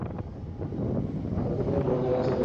মনে হচ্ছে, তুমি ভুল জায়গায় চলে এসেছো।